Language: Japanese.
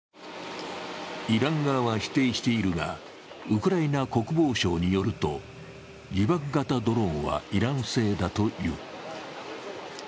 イラン側は否定しているが、ウクライナ国防省によると自爆型ドローンはイラン製だという。